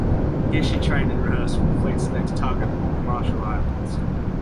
Here she trained and rehearsed for the fleet's next target-the Marshall Islands.